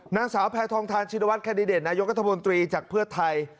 นางสาวแพทองทารชินวัตย์แคดดิเดตนายกทบนตรีจากเพื้อไทย